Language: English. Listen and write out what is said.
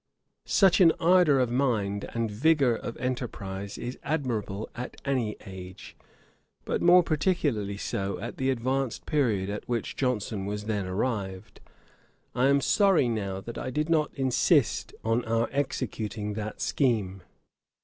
Such an ardour of mind, and vigour of enterprise, is admirable at any age: but more particularly so at the advanced period at which Johnson was then arrived. I am sorry now that I did not insist on our executing that scheme.